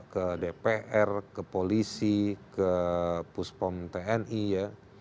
ke dpr ke polisi ke puspom tni ya